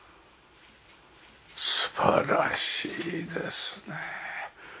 素晴らしいですね。